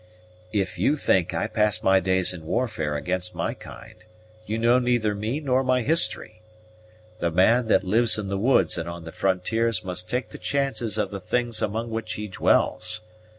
"If you think I pass my days in warfare against my kind, you know neither me nor my history. The man that lives in the woods and on the frontiers must take the chances of the things among which he dwells.